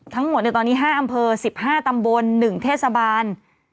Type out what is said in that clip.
ทั้งหมดในตอนนี้๕อำเภอ๑๕ตำบล๑เทศบาล